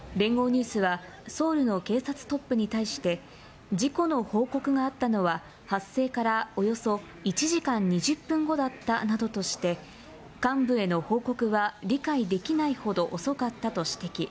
ニュースは、ソウルの警察トップに対して、事故の報告があったのは発生からおよそ１時間２０分後だったなどとして、幹部への報告は理解できないほど遅かったと指摘。